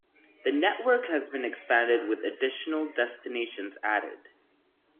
The network has been expanded with additional destinations added.